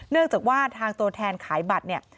เนื่องจากว่าทางตัวแทนขายบัตรเนี่ย